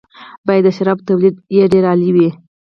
باید د شرابو تولید یې ډېر عالي وي.